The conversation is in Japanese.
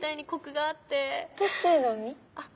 あっ。